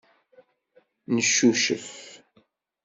Neccucef.